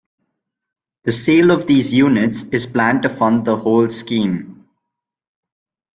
The sale of these units is planned to fund the whole scheme.